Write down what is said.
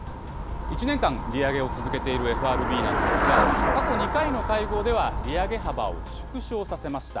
１年間利上げを続けているＦＲＢなんですが、過去２回の会合では、利上げ幅を縮小させました。